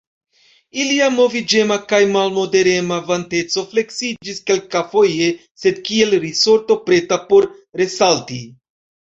Ilia moviĝema kaj malmoderema vanteco fleksiĝis kelkafoje, sed kiel risorto preta por resalti.